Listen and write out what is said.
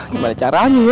gimana caranya ya